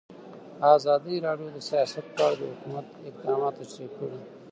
ازادي راډیو د سیاست په اړه د حکومت اقدامات تشریح کړي.